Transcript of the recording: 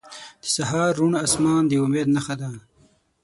• د سهار روڼ آسمان د امید نښه ده.